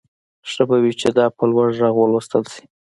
ښه به وي چې دا په لوړ غږ ولوستل شي